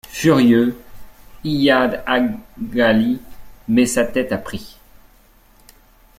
Furieux, Iyad Ag Ghali met sa tête à prix.